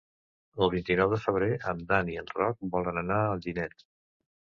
El vint-i-nou de febrer en Dan i en Roc volen anar a Alginet.